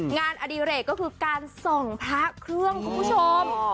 อดิเรกก็คือการส่องพระเครื่องคุณผู้ชม